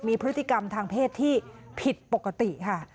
มีพฤติกรรมทางเพศที่ผิดปกติค่ะ